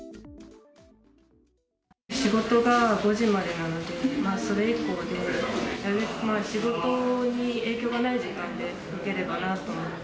仕事が５時までなので、それ以降で、仕事に影響がない時間で打てればなと思って。